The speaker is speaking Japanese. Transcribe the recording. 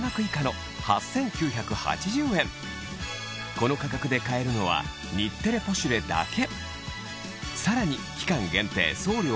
この価格で買えるのは『日テレポシュレ』だけ！